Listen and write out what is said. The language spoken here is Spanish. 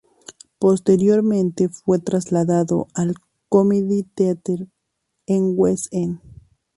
Posteriormente fue trasladado al Comedy Theatre en West End.